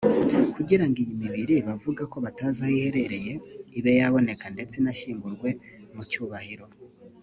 Kugira ngo iyi mibiri bavuga ko batazi aho iherereye ibe yaboneka ndetse inashyingurwe mu cyubahiro